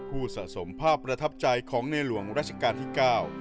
สะสมภาพประทับใจของในหลวงราชการที่เก้า